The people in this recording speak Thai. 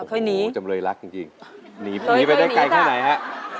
โอ้โหจำเลยรักจริงหนีไปได้ไกลแค่ไหนฮะ